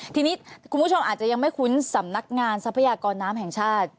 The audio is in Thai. ทีนี้คุณผู้ชมอาจจะยังไม่คุ้นสำนักงานทรัพยากรน้ำแห่งชาติ